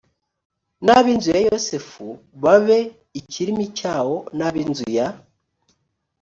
n ab inzu ya yosefu babe ikirimi cyawo n ab inzu ya